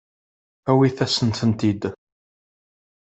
Awit-asent-ten-id.